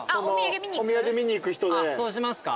そうしますか？